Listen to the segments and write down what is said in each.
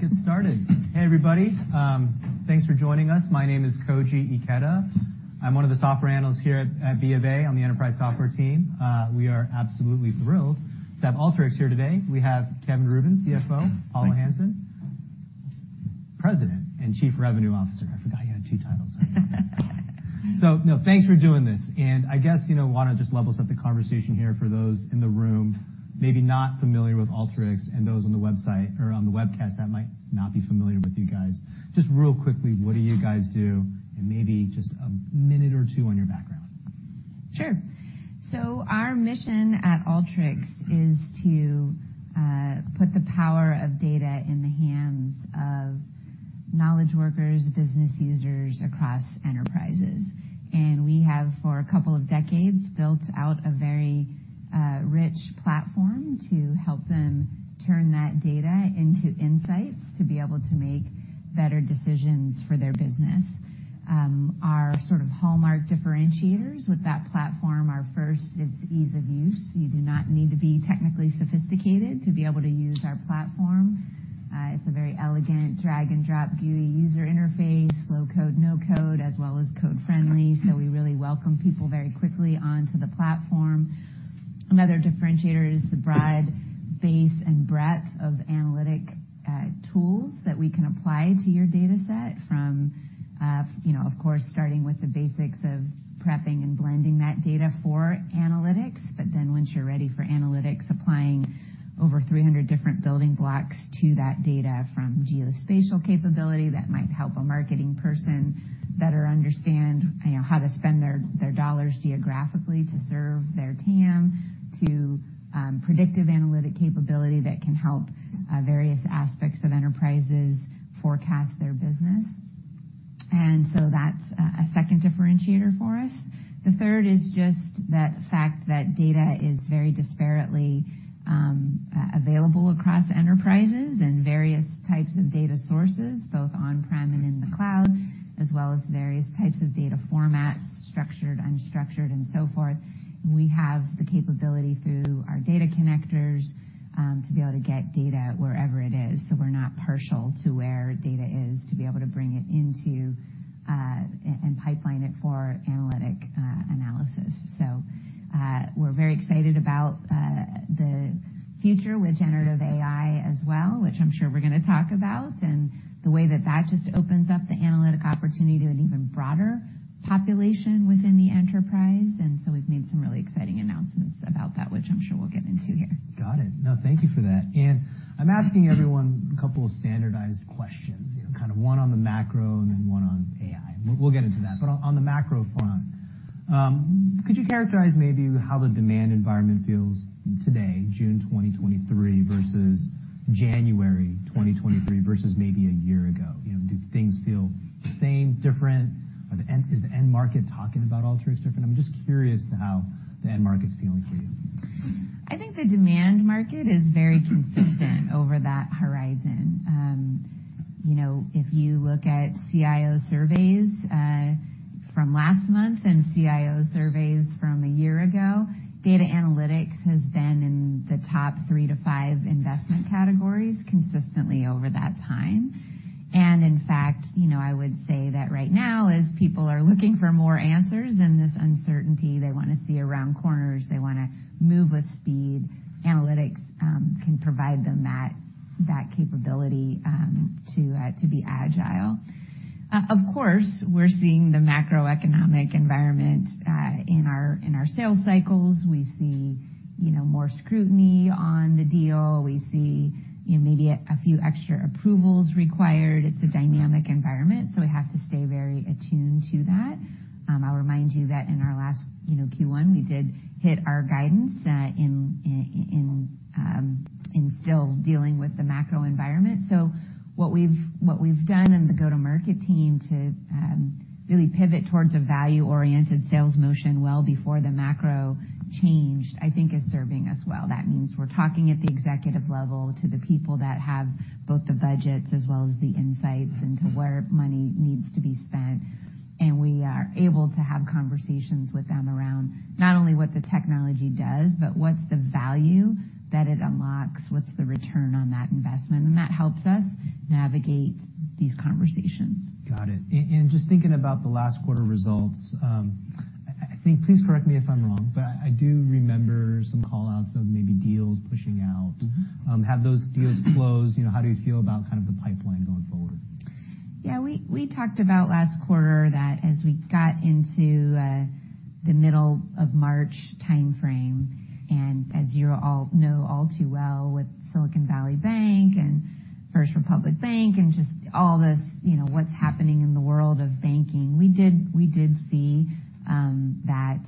All right, let's get started. Hey, everybody. Thanks for joining us. My name is Koji Ikeda. I'm one of the software analysts here at B of A on the enterprise software team. We are absolutely thrilled to have Alteryx here today. We have Kevin Rubin, CFO. Thank you.... Paula Hansen, President and Chief Revenue Officer. I forgot you had two titles. No, thanks for doing this. I guess, you know, why not just level set the conversation here for those in the room, maybe not familiar with Alteryx, and those on the website or on the webcast that might not be familiar with you guys. Just real quickly, what do you guys do? Maybe just a minute or two on your background? Sure. Our mission at Alteryx is to put the power of data in the hands of knowledge workers, business users across enterprises. We have, for a couple of decades, built out a very rich platform to help them turn that data into insights to be able to make better decisions for their business. Our sort of hallmark differentiators with that platform are, first, it's ease of use. You do not need to be technically sophisticated to be able to use our platform. It's a very elegant drag-and-drop GUI user interface, low code, no code, as well as code-friendly, so we really welcome people very quickly onto the platform. Another differentiator is the broad base and breadth of analytic tools that we can apply to your dataset from, you know, of course, starting with the basics of prepping and blending that data for analytics. Once you're ready for analytics, applying over 300 different building blocks to that data, from geospatial capability that might help a marketing person better understand, you know, how to spend their dollars geographically to serve their TAM, to predictive analytic capability that can help various aspects of enterprises forecast their business. That's a second differentiator for us. The third is just the fact that data is very disparately available across enterprises and various types of data sources, both on-prem and in the cloud, as well as various types of data formats, structured, unstructured, and so forth. We have the capability through our data connectors, to be able to get data wherever it is, so we're not partial to where data is, to be able to bring it into, and pipeline it for analytic analysis. We're very excited about the future with generative AI as well, which I'm sure we're gonna talk about, and the way that that just opens up the analytic opportunity to an even broader population within the enterprise. We've made some really exciting announcements about that, which I'm sure we'll get into here. Got it. No, thank you for that. I'm asking everyone a couple of standardized questions, you know, kind of one on the macro and then one on AI. We'll get into that. On the macro front, could you characterize maybe how the demand environment feels today, June 2023, versus January 2023, versus maybe a year ago? You know, do things feel the same, different? Is the end market talking about Alteryx different? I'm just curious to how the end market's feeling to you. I think the demand market is very consistent over that horizon. you know, if you look at CIO surveys, from last month and CIO surveys from a year ago, data analytics has been in the top three to five investment categories consistently over that time. In fact, you know, I would say that right now, as people are looking for more answers in this uncertainty, they want to see around corners, they want to move with speed, analytics can provide them that capability, to be agile. Of course, we're seeing the macroeconomic environment in our sales cycles. We see, you know, more scrutiny on the deal. We see, you know, maybe a few extra approvals required. It's a dynamic environment, so we have to stay very attuned to that. I'll remind you that in our last, you know, Q1, we did hit our guidance in still dealing with the macro environment. What we've done in the go-to-market team to really pivot towards a value-oriented sales motion well before the macro changed, I think is serving us well. That means we're talking at the executive level to the people that have both the budgets as well as the insights into where money needs to be spent, and we are able to have conversations with them around not only what the technology does, but what's the value that it unlocks, what's the return on that investment, and that helps us navigate these conversations. Got it. Just thinking about the last quarter results, I think. Please correct me if I'm wrong, but I do remember some call-outs of maybe deals pushing out. Mm-hmm. Have those deals closed? You know, how do you feel about kind of the pipeline going forward? Yeah, we talked about last quarter that as we got into the middle of March timeframe, and as you all know all too well, with Silicon Valley Bank and First Republic Bank and just all this, you know, what's happening in the world of banking, we did see that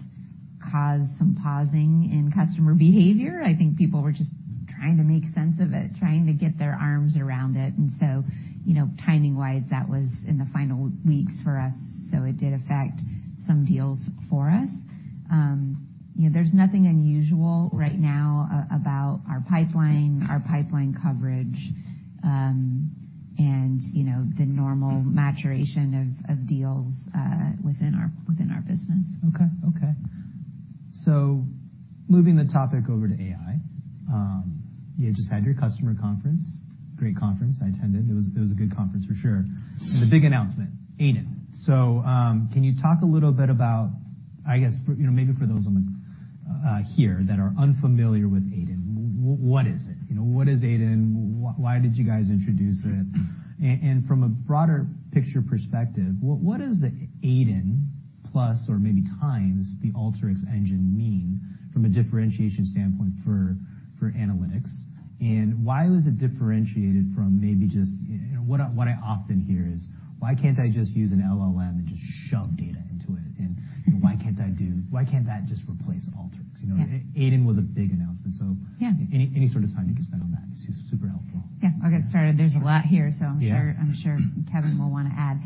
cause some pausing in customer behavior. I think people were just trying to make sense of it, trying to get their arms around it, and so, you know, timing-wise, that was in the final weeks for us, so it did affect some deals for us. You know, there's nothing unusual right now about our pipeline, our pipeline coverage, and, you know, the normal maturation of deals within our business. Okay. Okay. Moving the topic over to AI, you just had your customer conference. Great conference. I attended. It was a good conference for sure. The big announcement, AiDIN. Can you talk a little bit about, I guess, you know, maybe for those on the here that are unfamiliar with AiDIN, what is it? You know, what is AiDIN? Why did you guys introduce it? From a broader picture perspective, what is the AiDIN plus, or maybe times, the Alteryx engine mean from a differentiation standpoint for analytics? Why was it differentiated from maybe just, you know, what I often hear is: Why can't I just use an LLM and just shove data into it? Why can't that just replace Alteryx, you know? Yeah. AiDIN was a big announcement. Yeah any sort of time you can spend on that is super helpful. Yeah. I'll get started. There's a lot here. Yeah... I'm sure Kevin will wanna add.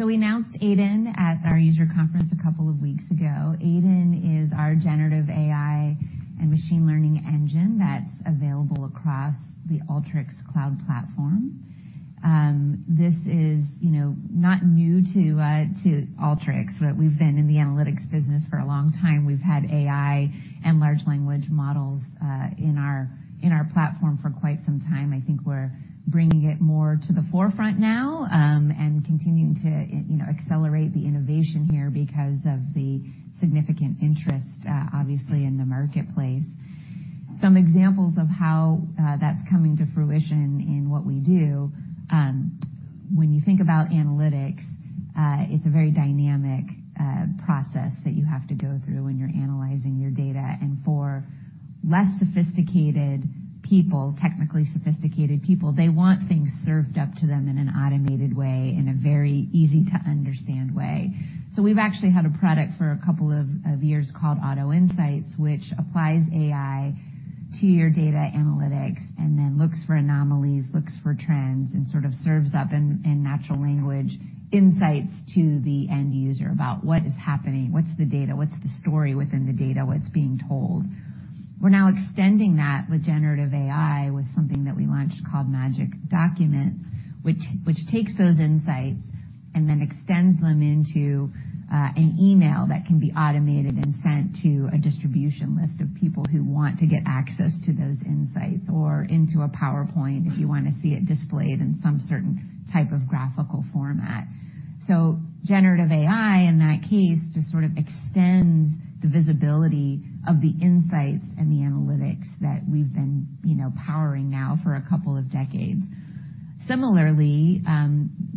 We announced AiDIN at our user conference a couple of weeks ago. AiDIN is our generative AI and machine learning engine that's available across the Alteryx cloud platform. This is, you know, not new to Alteryx, right? We've been in the analytics business for a long time. We've had AI and large language models in our platform for quite some time. I think we're bringing it more to the forefront now and continuing to, you know, accelerate the innovation here because of the significant interest, obviously, in the marketplace. Some examples of how that's coming to fruition in what we do, when you think about analytics, it's a very dynamic process that you have to go through when you're analyzing your data. For less sophisticated people, technically sophisticated people, they want things served up to them in an automated way, in a very easy-to-understand way. We've actually had a product for a couple of years called Auto Insights, which applies AI to your data analytics and then looks for anomalies, looks for trends, and sort of serves up in natural language, insights to the end user about what is happening, what's the data, what's the story within the data, what's being told. We're now extending that with generative AI, with something that we launched called Magic Documents, which takes those insights and then extends them into an email that can be automated and sent to a distribution list of people who want to get access to those insights, or into a PowerPoint, if you wanna see it displayed in some certain type of graphical format. Generative AI, in that case, just sort of extends the visibility of the insights and the analytics that we've been, you know, powering now for a couple of decades. Similarly,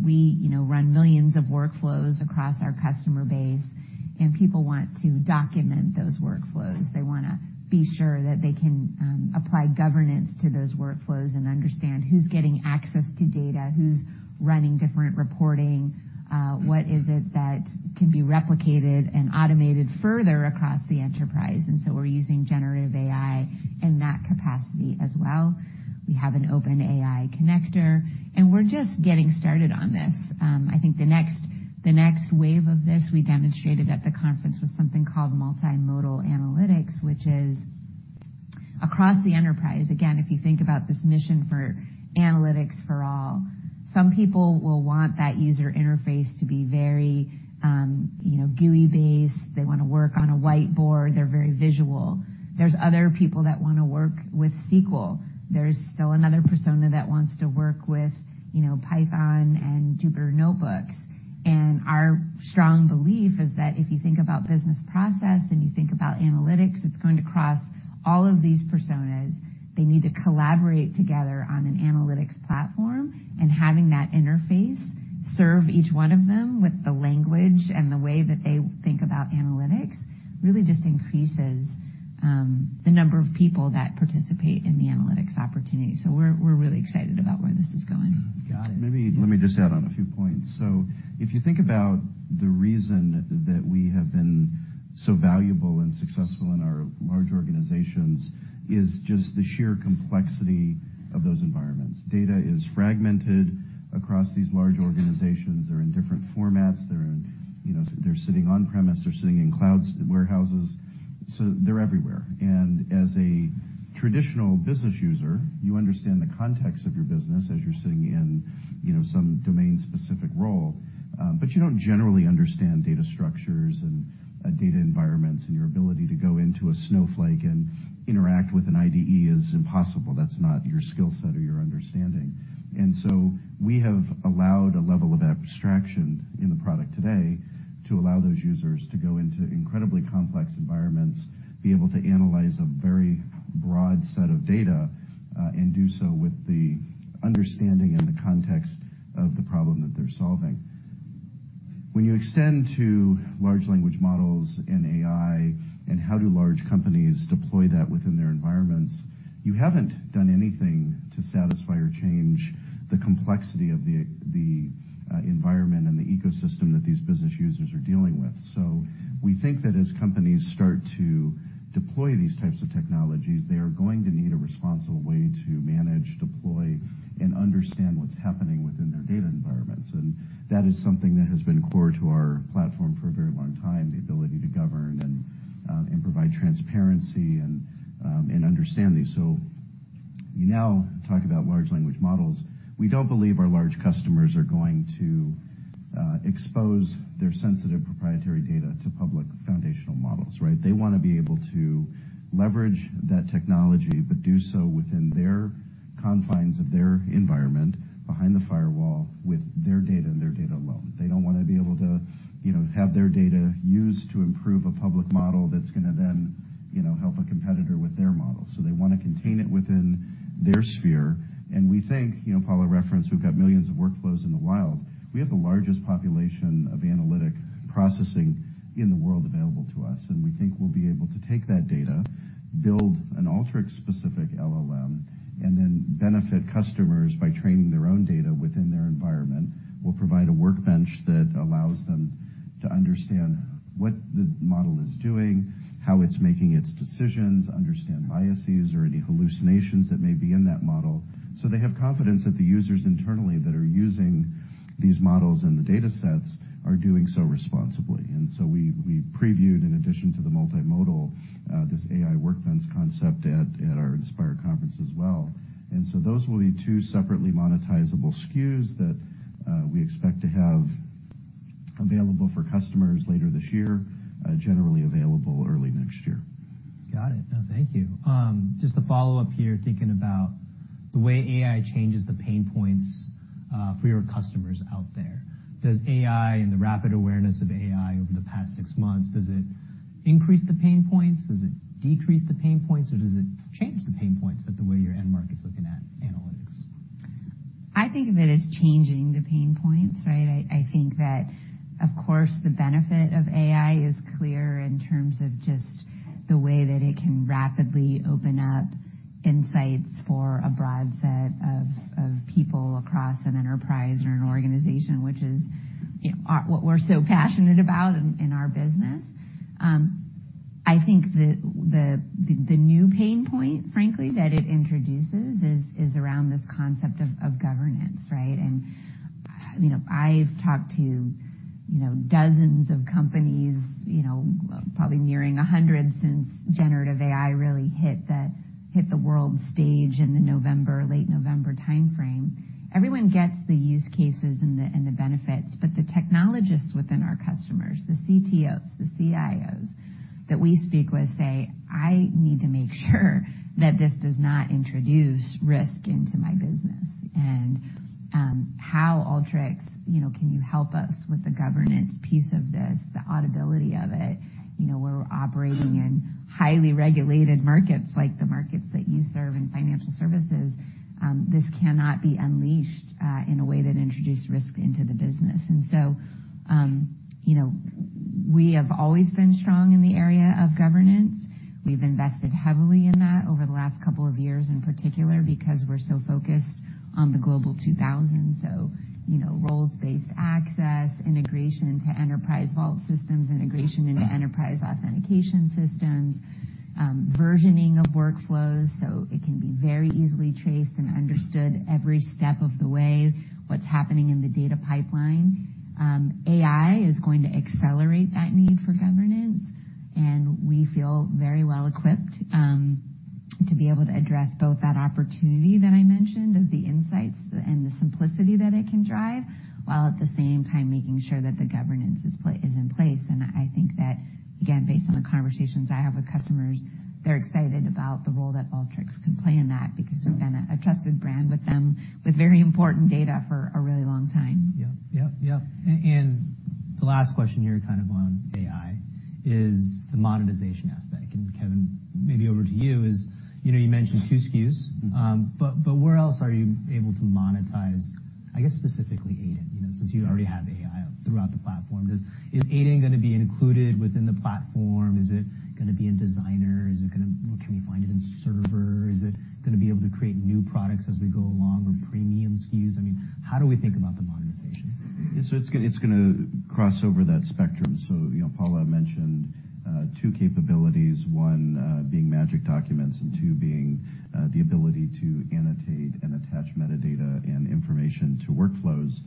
we, you know, run millions of workflows across our customer base, and people want to document those workflows. They wanna be sure that they can apply governance to those workflows and understand who's getting access to data, who's running different reporting. Mm-hmm... what is it that can be replicated and automated further across the enterprise. We're using generative AI in that capacity as well. We have an OpenAI connector, and we're just getting started on this. I think the next wave of this, we demonstrated at the conference, was something called multimodal analytics, which is across the enterprise. Again, if you think about this mission for analytics for all, some people will want that user interface to be very, you know, GUI-based. They wanna work on a whiteboard. They're very visual. There's other people that wanna work with SQL. There's still another persona that wants to work with, you know, Python and Jupyter Notebooks. Our strong belief is that if you think about business process and you think about analytics, it's going to cross all of these personas. They need to collaborate together on an analytics platform, and having that interface serve each one of them with the language and the way that they think about analytics really just increases the number of people that participate in the analytics opportunity. We're really excited about where this is going. Got it. Let me just add on a few points. If you think about the reason that we have been so valuable and successful in our large organizations is just the sheer complexity of those environments. Data is fragmented across these large organizations. They're in different formats. They're in, you know, they're sitting on-premise. They're sitting in clouds, warehouses. They're everywhere. As a traditional business user, you understand the context of your business as you're sitting in, you know, some domain-specific role, but you don't generally understand data structures and data environments. Your ability to go into a Snowflake and interact with an IDE is impossible. That's not your skill set or your understanding. We have allowed a level of abstraction in the product today to allow those users to go into incredibly complex environments, be able to analyze a very broad set of data and do so with the understanding and the context of the problem that they're solving. When you extend to large language models and AI, and how do large companies deploy that within their environments, you haven't done anything to satisfy or change the complexity of the environment and the ecosystem that these business users are dealing with. We think that as companies start to deploy these types of technologies, they are going to need a responsible way to manage, deploy, and understand what's happening within their data environments. That is something that has been core to our platform for a very long time, the ability to govern and provide transparency and understanding. You now talk about large language models. We don't believe our large customers are going to expose their sensitive proprietary data to public foundational models, right? They wanna be able to leverage that technology, but do so within their confines of their environment, behind the firewall, with their data and their data alone. They don't wanna be able to, you know, have their data used to improve a public model that's gonna then, you know, help a competitor with their model. They wanna contain it within their sphere. We think, you know, Paula referenced, we've got millions of workflows in the wild. We have the largest population of analytic processing in the world available to us, and we think we'll be able to take that data, build an Alteryx-specific LLM, and then benefit customers by training their own data within their environment. We'll provide a workbench that allows them to understand what the model is doing, how it's making its decisions, understand biases or any hallucinations that may be in that model, so they have confidence that the users internally that are using these models and the datasets are doing so responsibly. We, we previewed, in addition to the multimodal, this AI Workbench concept at our Inspire conference as well. Those will be two separately monetizable SKUs that we expect to have available for customers later this year, generally available early next year. Got it. Thank you. Just to follow up here, thinking about the way AI changes the pain points for your customers out there. Does AI and the rapid awareness of AI over the past six months, does it increase the pain points? Does it decrease the pain points, or does it change the pain points of the way your end market's looking at analytics? I think of it as changing the pain points, right? I think that, of course, the benefit of AI is clear in terms of just the way that it can rapidly open up insights for a broad set of people across an enterprise or an organization, which is, you know, what we're so passionate about in our business. I think the new pain point, frankly, that it introduces is around this concept of governance, right? You know, I've talked to, you know, dozens of companies, you know, probably nearing 100 since Generative AI really hit the world stage in the November, late November timeframe. Everyone gets the use cases and the benefits, but the technologists within our customers, the CTOs, the CIOs that we speak with, say, "I need to make sure that this does not introduce risk into my business. How, Alteryx, you know, can you help us with the governance piece of this, the audibility of it? You know, we're operating in highly regulated markets like the markets that you serve in financial services. This cannot be unleashed in a way that introduced risk into the business." You know, we have always been strong in the area of governance. We've invested heavily in that over the last couple of years, in particular, because we're so focused on the Global 2000. you know, roles-based access, integration into enterprise vault systems, integration into enterprise authentication systems, versioning of workflows, so it can be very easily traced and understood every step of the way, what's happening in the data pipeline. AI is going to accelerate that need for governance, and we feel very well equipped to be able to address both that opportunity that I mentioned, of the insights and the simplicity that it can drive, while at the same time making sure that the governance is in place. I think that, again, based on the conversations I have with customers, they're excited about the role that Alteryx can play in that, because we've been a trusted brand with them, with very important data for a really long time. Yep, yep. The last question here, kind of on AI, is the monetization aspect, and Kevin, maybe over to you, is, you know, you mentioned 2 SKUs. Mm-hmm. Where else are you able to monetize, I guess, specifically, AiDIN? You know, since you already have AI throughout the platform. Is AiDIN gonna be included within the platform? Is it gonna be in Designer? Can we find it in Server? Is it gonna be able to create new products as we go along or premium SKUs? I mean, how do we think about the monetization? It's gonna cross over that spectrum. You know, Paula mentioned 2 capabilities, 1 being Magic Documents, and 2 being the ability to annotate and attach metadata and information to workflows,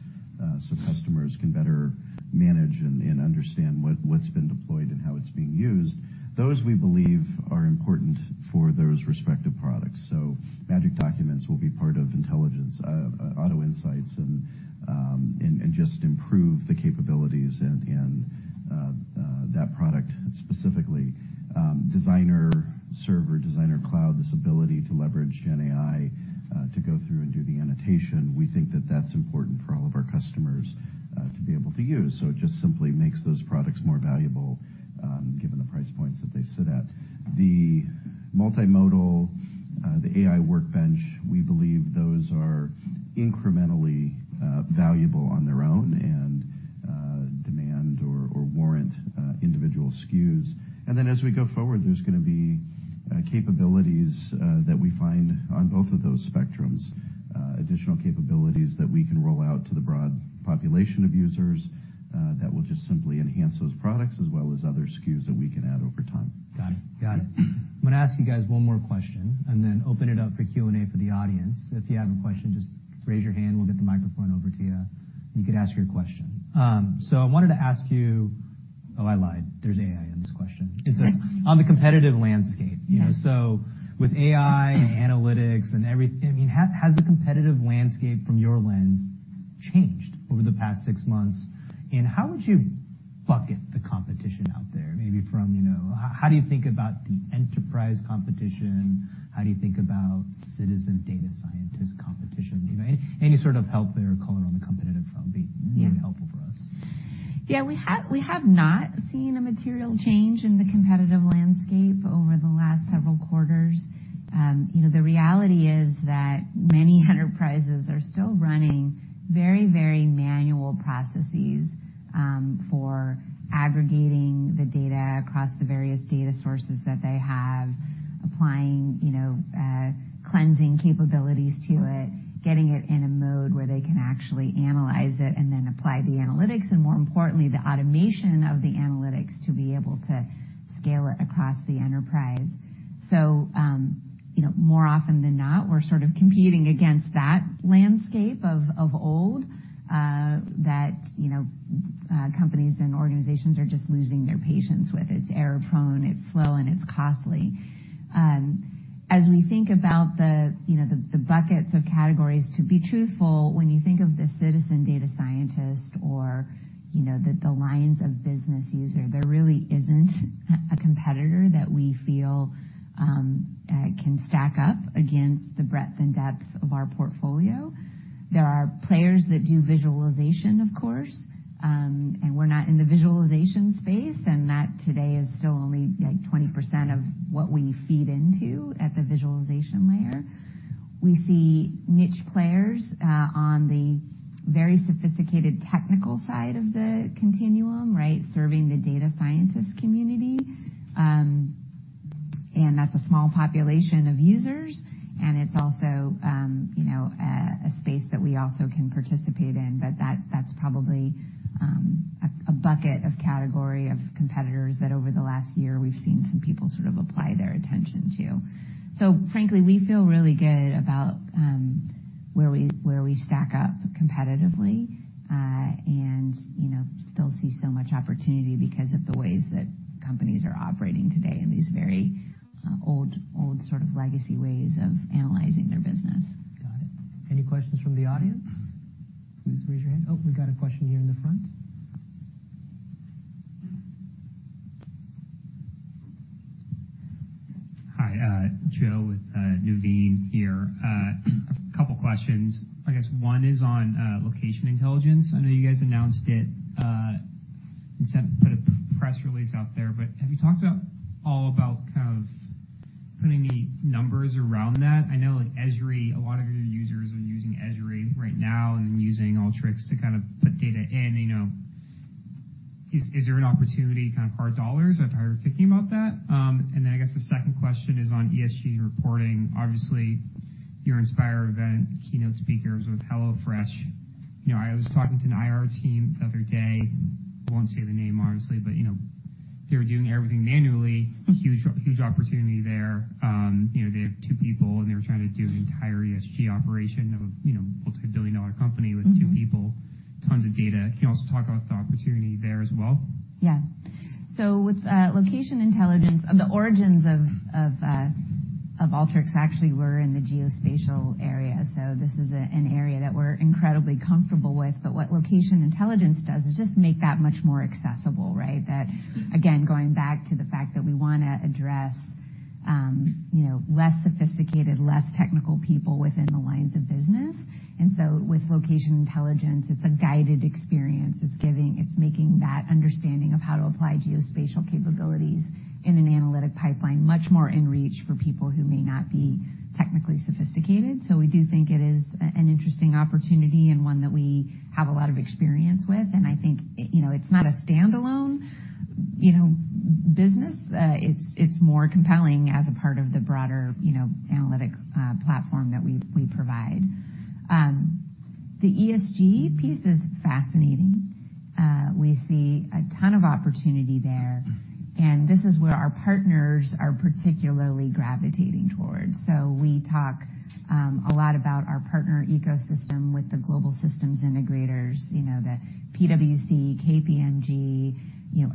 so customers can better manage and understand what's been deployed and how it's being used. Those, we believe, are important for those respective products. Magic Documents will be part of intelligence, Auto Insights, and just improve the capabilities and that product, specifically. Designer, Server, Designer Cloud, this ability to leverage GenAI to go through and do the annotation, we think that that's important for all of our customers to be able to use. It just simply makes those products more valuable, given the price points that they sit at. The multimodal, the AI Workbench, we believe those are incrementally valuable on their own and demand or warrant individual SKUs. Then, as we go forward, there's gonna be capabilities that we find on both of those spectrums, additional capabilities that we can roll out to the broad population of users, that will just simply enhance those products as well as other SKUs that we can add over time. Got it. Got it. I'm gonna ask you guys one more question. Then open it up for Q&A for the others. If you have a question, just raise your hand. We'll get the microphone over to you, and you could ask your question. Oh, I lied. There's AI in this question. Right. On the competitive landscape. Yes. You know, with AI, analytics, I mean, has the competitive landscape from your lens changed over the past six months? How would you bucket the competition out there, maybe from, you know... How do you think about the enterprise competition? How do you think about citizen data scientist competition? Any sort of help there or color on the competitive front would be. Yeah. really helpful for us. Yeah, we have not seen a material change in the competitive landscape over the last several quarters. you know, the reality is that many enterprises are still running very, very manual processes, for aggregating the data across the various data sources that they have, applying, you know, cleansing capabilities to it, getting it in a mode where they can actually analyze it and then apply the analytics, and more importantly, the automation of the analytics to be able to scale it across the enterprise. you know, more often than not, we're sort of competing against that landscape of old that, you know, companies and organizations are just losing their patience with. It's error-prone, it's slow, and it's costly. As we think about the, you know, the buckets of categories, to be truthful, when you think of the citizen data scientist or, you know, the lines of business user, there really isn't a competitor that we feel can stack up against the breadth and depth of our portfolio. There are players that do visualization, of course, and we're not in the visualization space, and that today is still only, like, 20% of what we feed into at the visualization layer. We see niche players on the very sophisticated technical side of the continuum, right? Serving the data scientist community. That's a small population of users, and it's also, you know, a space that we also can participate in. That's probably a bucket of category of competitors that over the last year, we've seen some people sort of apply their attention to. Frankly, we feel really good about where we stack up competitively, and, you know, still see so much opportunity because of the ways that companies are operating today in these very, old sort of legacy ways of analyzing their business. Got it. Any questions from the audience? Please raise your hand. We got a question here in the front. Hi, Joe with Nuveen here. A couple questions. I guess one is on location intelligence. I know you guys announced it and put a press release out there, but have you talked about, all about kind of putting the numbers around that? I know, like, Esri, a lot of your users are using Esri right now and using Alteryx to kind of put data in, you know. Is there an opportunity, kind of hard dollars, of how you're thinking about that? I guess the second question is on ESG and reporting. Obviously, your Inspire event keynote speaker was with HelloFresh. You know, I was talking to an IR team the other day, won't say the name, obviously, but, you know, they were doing everything manually. Mm-hmm. Huge, huge opportunity there. You know, they have 2 people, and they were trying to do the entire ESG operation of, you know, a multi-billion dollar company. Mm-hmm. with two people, tons of data. Can you also talk about the opportunity there as well? Yeah. With Location Intelligence, the origins of Alteryx actually were in the geospatial area. This is an area that we're incredibly comfortable with. What Location Intelligence does is just make that much more accessible, right? That, again, going back to the fact that we wanna address, you know, less sophisticated, less technical people within the lines of business. With Location Intelligence, it's a guided experience. It's making that understanding of how to apply geospatial capabilities in an analytic pipeline much more in reach for people who may not be technically sophisticated. We do think it is an interesting opportunity and one that we have a lot of experience with, and I think, you know, it's not a standalone, you know, business. It's more compelling as a part of the broader, you know, analytic platform that we provide. The ESG piece is fascinating. We see a ton of opportunity there. This is where our partners are particularly gravitating towards. We talk a lot about our partner ecosystem with the global systems integrators, you know, the PwC, KPMG,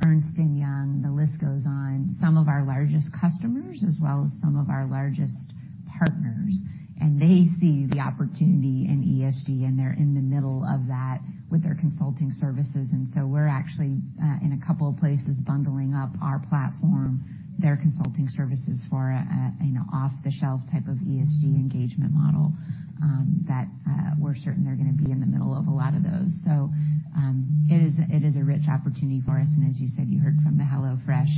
Ernst & Young, the list goes on. Some of our largest customers, as well as some of our largest partners, they see the opportunity in ESG, and they're in the middle of that with their consulting services. We're actually in a couple of places, bundling up our platform, their consulting services for a, you know, off-the-shelf type of ESG engagement model that we're certain they're gonna be in the middle of a lot of those. It is a rich opportunity for us, and as you said, you heard from the HelloFresh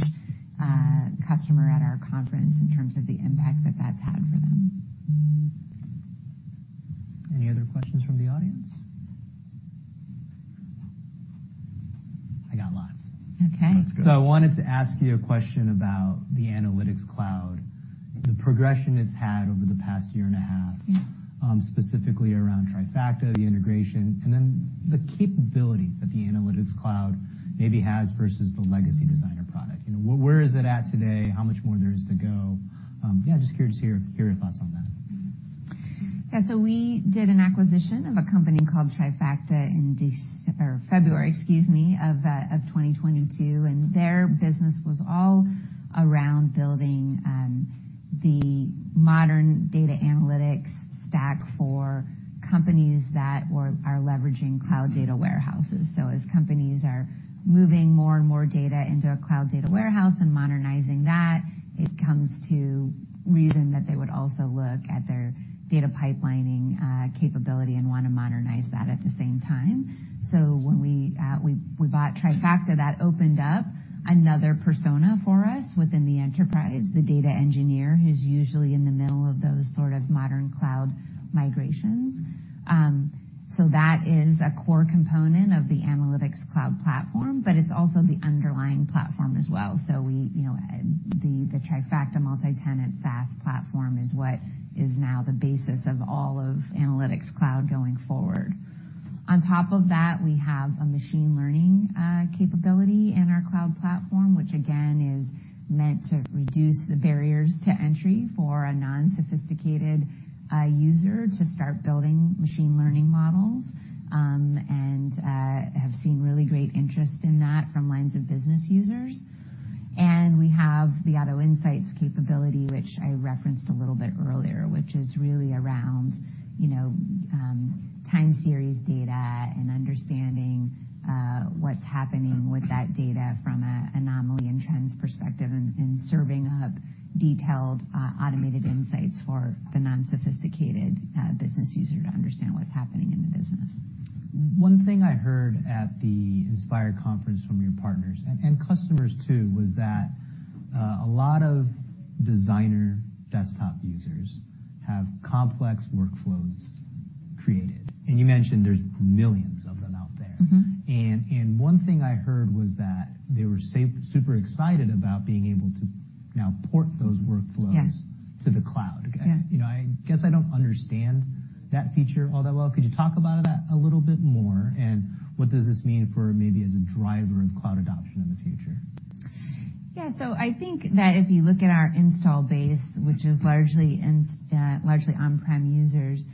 customer at our conference in terms of the impact that that's had for them. Any other questions from the audience? I got lots. Okay. That's good. I wanted to ask you a question about the Analytics Cloud, the progression it's had over the past year and a half. Yeah... specifically around Trifacta, the integration, and then the capabilities that the Analytics Cloud maybe has versus the legacy Designer product. You know, where is it at today? How much more there is to go? Yeah, just curious to hear your thoughts on that.... we did an acquisition of a company called Trifacta in February, excuse me, of 2022, and their business was all around building the modern data analytics stack for companies that are leveraging cloud data warehouses. As companies are moving more and more data into a cloud data warehouse and modernizing that, it comes to reason that they would also look at their data pipelining capability and want to modernize that at the same time. When we bought Trifacta, that opened up another persona for us within the enterprise, the data engineer, who's usually in the middle of those sort of modern cloud migrations. That is a core component of the Analytics Cloud platform, but it's also the underlying platform as well. We, you know, the Trifacta multitenant SaaS platform is what is now the basis of all of Analytics Cloud going forward. On top of that, we have a machine learning capability in our cloud platform, which again, is meant to reduce the barriers to entry for a non-sophisticated user to start building machine learning models, and have seen really great interest in that from lines of business users. We have the Auto Insights capability, which I referenced a little bit earlier, which is really around, you know, time series data and understanding what's happening with that data from a anomaly and trends perspective, and serving up detailed, automated insights for the non-sophisticated business user to understand what's happening in the business. One thing I heard at the Inspire conference from your partners, and customers, too, was that a lot of Designer desktop users have complex workflows created, and you mentioned there's millions of them out there. Mm-hmm. One thing I heard was that they were super excited about being able to now port those workflows. Yeah. to the cloud. Yeah. You know, I guess I don't understand that feature all that well. Could you talk about that a little bit more? What does this mean for maybe as a driver of cloud adoption in the future? I think that if you look at our install base, which is largely on-prem users,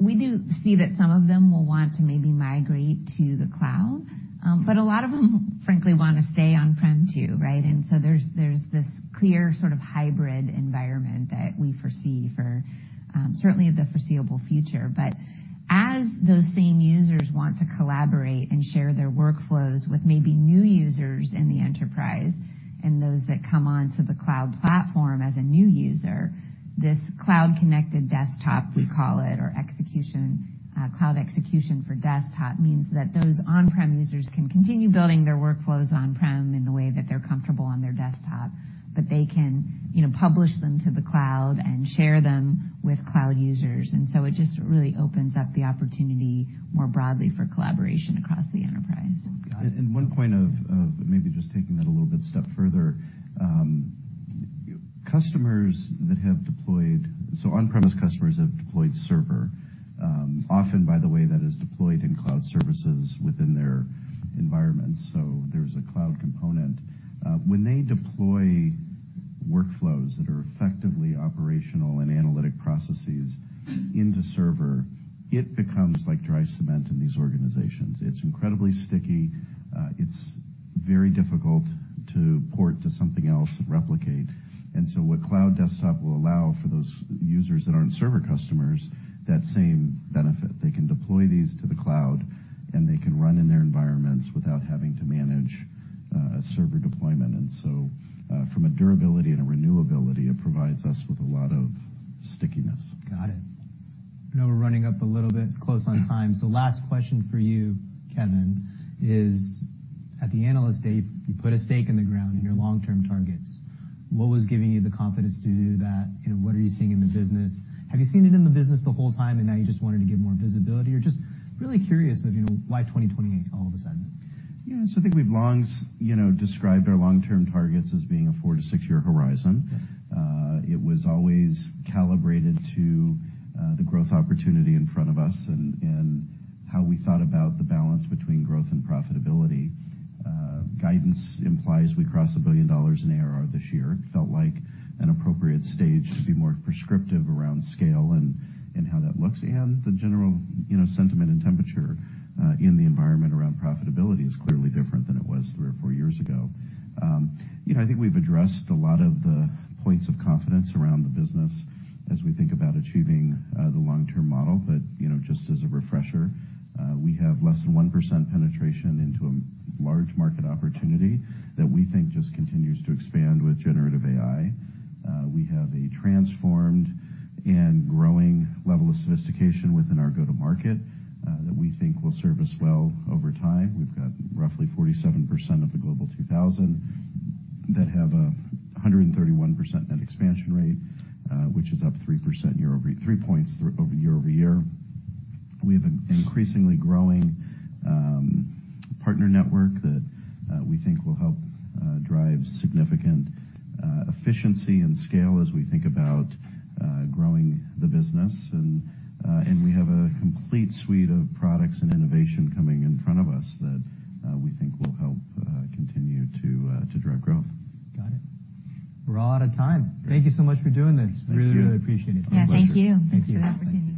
we do see that some of them will want to maybe migrate to the cloud. A lot of them, frankly, wanna stay on-prem, too, right? There's this clear sort of hybrid environment that we foresee for certainly the foreseeable future. As those same users want to collaborate and share their workflows with maybe new users in the enterprise and those that come onto the cloud platform as a new user, this cloud-connected desktop, we call it, or Cloud Execution for Desktop, means that those on-prem users can continue building their workflows on-prem in the way that they're comfortable on their desktop, but they can, you know, publish them to the cloud and share them with cloud users. It just really opens up the opportunity more broadly for collaboration across the enterprise. Got it. One point of maybe just taking that a little bit step further. On-premise customers have deployed Server, often, by the way, that is deployed in cloud services within their environment, so there's a cloud component. When they deploy workflows that are effectively operational and analytic processes into Server, it becomes like dry cement in these organizations. It's incredibly sticky. It's very difficult to port to something else and replicate. What Cloud Desktop will allow for those users that aren't Server customers, that same benefit. They can deploy these to the cloud, and they can run in their environments without having to manage a Server deployment. From a durability and a renewability, it provides us with a lot of stickiness. Got it. I know we're running up a little bit close on time, so last question for you, Kevin, is: At the Analyst Day, you put a stake in the ground in your long-term targets. What was giving you the confidence to do that, and what are you seeing in the business? Have you seen it in the business the whole time, and now you just wanted to give more visibility? Just really curious of, you know, why 2028 all of a sudden? Yes, I think we've long, you know, described our long-term targets as being a 4-6 year horizon. Yeah. It was always calibrated to the growth opportunity in front of us and how we thought about the balance between growth and profitability. Guidance implies we cross $1 billion in ARR this year. Felt like an appropriate stage to be more prescriptive around scale and how that looks. The general, you know, sentiment and temperature in the environment around profitability is clearly different than it was 3 or 4 years ago. You know, I think we've addressed a lot of the points of confidence around the business as we think about achieving the long-term model. You know, just as a refresher, we have less than 1% penetration into a large market opportunity that we think just continues to expand with generative AI. We have a transformed and growing level of sophistication within our go-to-market that we think will serve us well over time. We've got roughly 47% of the Global 2000 that have 131% net expansion rate, which is up 3% year-over-year, 3 points over year-over-year. We have an increasingly growing partner network that we think will help drive significant efficiency and scale as we think about growing the business. We have a complete suite of products and innovation coming in front of us that we think will help continue to drive growth. Got it. We're all out of time. Great. Thank you so much for doing this. Thank you. Really, really appreciate it. Yeah, thank you. My pleasure. Thanks for the opportunity.